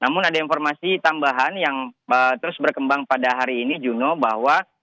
namun ada informasi tambahan yang terus berkembang pada hari ini juno bahwa